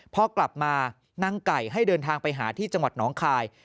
พอกลับมานางไก่ให้เดินทางไปหาที่จังหวัดน้องคาย